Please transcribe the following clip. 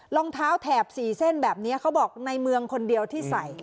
รองเท้าแถบ๔เส้นแบบนี้เขาบอกในเมืองคนเดียวที่ใส่